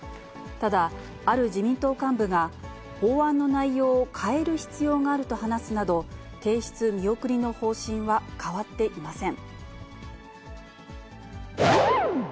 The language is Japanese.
ただある自民党幹部が、法案の内容を変える必要があると話すなど、提出見送りの方針は変わっていません。